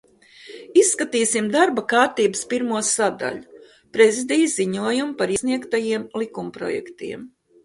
"Izskatīsim darba kārtības pirmo sadaļu "Prezidija ziņojumi par iesniegtajiem likumprojektiem"."